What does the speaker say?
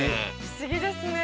不思議ですね。